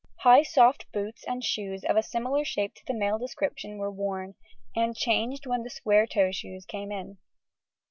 High, soft boots and shoes of a similar shape to the male description were worn, and changed when the square toe shoes came in.